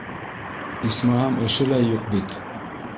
Исмаһам, эше лә юҡ бит.